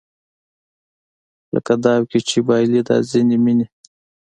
لکه داو کې چې بایلي دا ځینې مینې